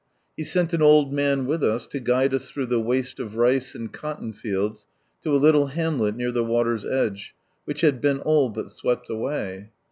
He sent an old man with us, to guide us through the waste of rice and cotton fields to a little hamlet near the water's edge, which had been all but swept away.